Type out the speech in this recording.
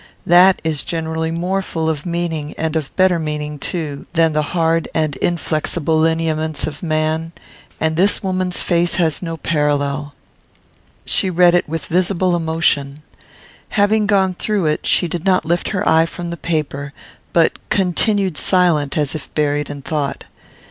That is generally more full of meaning, and of better meaning too, than the hard and inflexible lineaments of man; and this woman's face has no parallel. She read it with visible emotion. Having gone through it, she did not lift her eye from the paper, but continued silent, as if buried in thought.